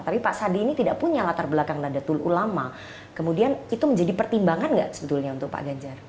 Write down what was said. tapi pak sandi ini tidak punya latar belakang nadatul ulama kemudian itu menjadi pertimbangan nggak sebetulnya untuk pak ganjar